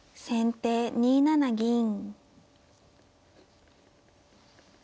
先手２七銀。